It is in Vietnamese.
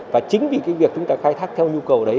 và chính vì cái việc chúng ta khai thác theo nhu cầu đấy